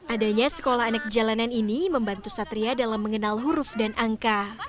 adanya sekolah anak jalanan ini membantu satria dalam mengenal huruf dan angka